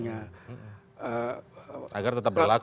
agar tetap berlaku